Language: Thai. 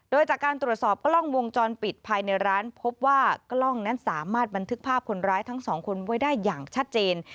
โดยจากการตรวจสอบกล้องวงจรปิดภายในร้านพบว่ากล้องนั้นสามารถบันทึกภาพคนร้ายทั้งสองคนไว้ได้อย่างชัดเจน